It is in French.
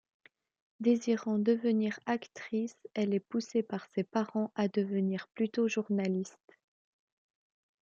Désirant devenir actrice, elle est poussée par ses parents à devenir plutôt journaliste.